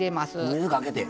水かけて。